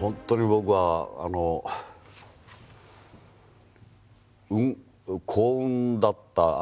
本当に僕はあの幸運だった。